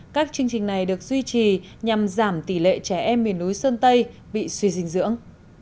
các chương trình này được duy trì nhằm giảm tỷ lệ trẻ em miền núi sơn tây bị suy dinh dưỡng